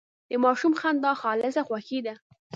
د ماشوم خندا خالصه خوښي ده.